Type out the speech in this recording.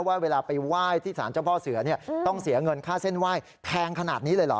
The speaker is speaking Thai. ว่าเวลาไปไหว้ที่สารเจ้าพ่อเสือเนี่ยต้องเสียเงินค่าเส้นไหว้แพงขนาดนี้เลยเหรอ